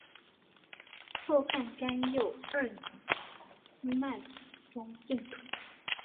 后汉干佑二年窦偁中进士。